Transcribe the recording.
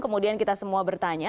kemudian kita semua bertanya